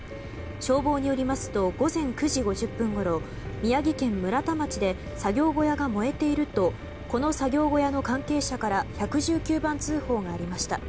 消防によりますと午前９時５０分ごろ宮城県村田町で作業小屋が燃えているとこの作業小屋の関係者から１１９番通報がありました。